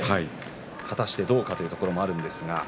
果たしてどうかというところもあります。